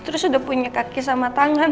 terus sudah punya kaki sama tangan